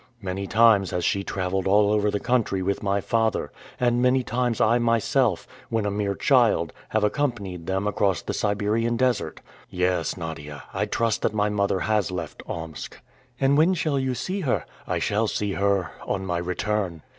Many times has she traveled all over the country with my father; and many times I myself, when a mere child, have accompanied them across the Siberian desert. Yes, Nadia, I trust that my mother has left Omsk." "And when shall you see her?" "I shall see her on my return."